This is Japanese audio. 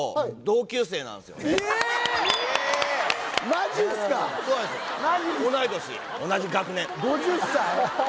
同い年同じ学年５０歳？